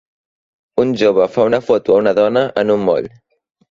Un jove fa una foto a una dona en un moll.